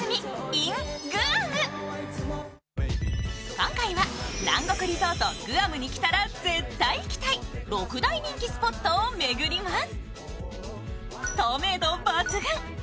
今回は南国リゾート・グアムに来たら絶対行きたい６大人気スポットを巡ります。